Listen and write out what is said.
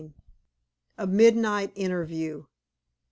A MIDNIGHT INTERVIEW.